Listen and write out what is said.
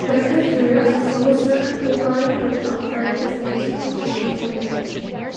During his career as a civil servant O'Brien worked on the government's anti-partition campaign.